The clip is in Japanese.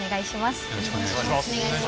よろしくお願いします。